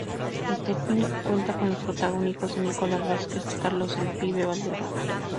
Este film cuenta con los protagónicos de Nicolás Vázquez, Carlos "El Pibe" Valderrama.